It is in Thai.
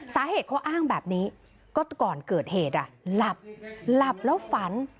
สาเหตุเขาอ้างแบบนี้ก็ก่อนเกิดเหตุหลับหลับแล้วฝัน